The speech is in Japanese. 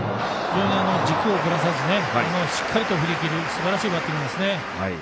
非常に軸をぶらさずしっかり振りきるすばらしいバッティングですね。